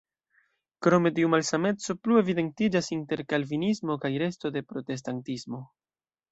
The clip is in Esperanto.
Krome tiu malsameco plu evidentiĝas inter kalvinismo kaj resto de protestantismo.